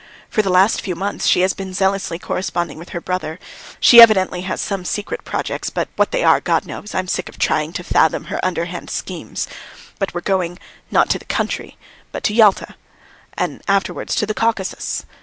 For the last few months she has been zealously corresponding with her brother; she evidently has some secret projects, but what they are God knows! I am sick of trying to fathom her underhand schemes! But we're going, not to the country, but to Yalta and afterwards to the Caucasus.